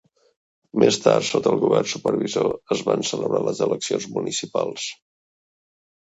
Més tard, sota el govern supervisor, es van celebrar les eleccions municipals.